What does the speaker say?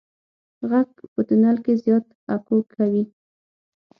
غږ په تونل کې زیات اکو کوي.